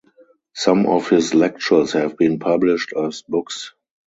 Some of his lectures have been published as books.